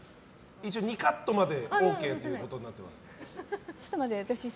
一応２カットまでＯＫとなってます。